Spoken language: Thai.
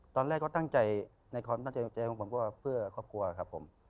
ตอนแรกก็ตั้งใจในความตั้งใจของใจของผมก็เพื่อครอบครัวครับผม